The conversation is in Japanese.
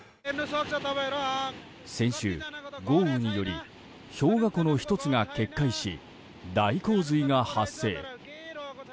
先週、豪雨により氷河湖の１つが決壊し大洪水が発生。